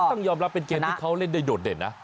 ต้องยอมรับเป็นเกมที่เขาเล่นได้โดดเด่นนะ